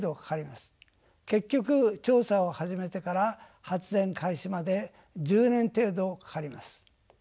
結局調査を始めてから発電開始まで１０年程度かかります。